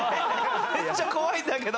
めっちゃ怖いんだけど。